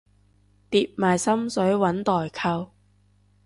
疊埋心水搵代購